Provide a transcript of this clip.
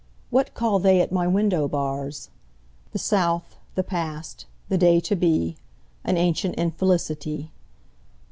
What call they at my window bars? The South, the past, the day to be, An ancient infelicity.